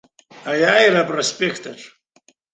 Аиааира апроспект аҿы.